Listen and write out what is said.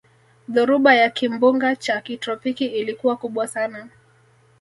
dhoruba ya kimbunga cha kitropiki ilikuwa kubwa sana